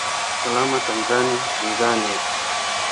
Salama Tanzania, Tanzania!